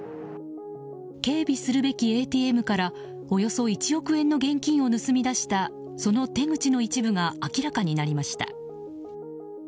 警備するべきＡＴＭからおよそ１億円の現金を盗み出した、その手口の一部が明らかになりました。